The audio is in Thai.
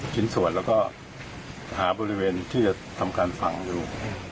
ชิ้นส่วนแล้วก็หาบริเวณที่จะทำการฝังอยู่